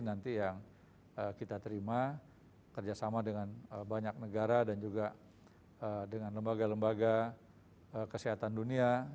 nanti yang kita terima kerjasama dengan banyak negara dan juga dengan lembaga lembaga kesehatan dunia